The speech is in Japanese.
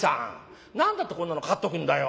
何だってこんなの飼っとくんだよ。